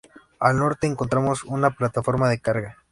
Al norte encontramos una plataforma de carga.